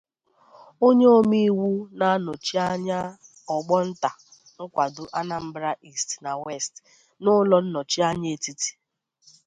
onye omeiwu na-anọchi anya ọgbọ nta nkwàdo Anambra East na West n'ụlọ nnọchianya etiti